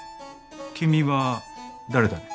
君は誰だね？